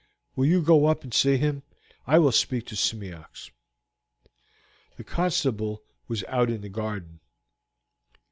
Will you go up and see him? I will speak to Simeox." The constable was out in the garden.